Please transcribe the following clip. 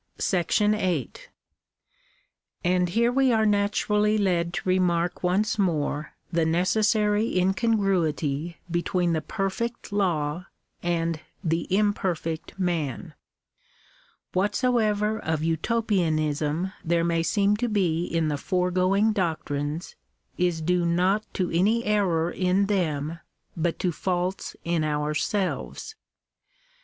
§8 And here we are naturally led to remark once more the ne cessary incongruity between the perfect law and the imperfect Digitized by VjOOQIC THE RIGHTS OF CHILDREN. 189 man. Whatsoever of Utopianism there may seem to be in the foregoing doctrines, is due not to any error in them but to faults in ourselves.